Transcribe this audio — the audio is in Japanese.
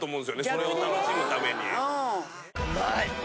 それを楽しむために。